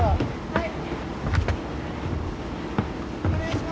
はい。